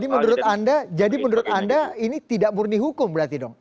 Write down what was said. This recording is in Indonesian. ini menurut anda jadi menurut anda ini tidak murni hukum berarti dong